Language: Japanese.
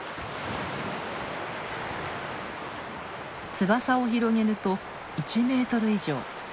翼を広げると１メートル以上。